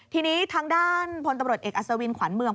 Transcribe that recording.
ทีนี้ทางด้านพตอัจสวินขวัญเมือง